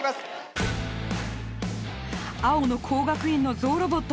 青の工学院のゾウロボット。